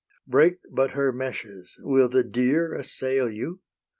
Break but her meshes, will the deer Assail you?